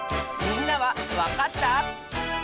みんなはわかった？